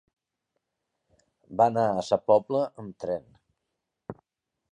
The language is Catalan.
Va anar a Sa Pobla amb tren.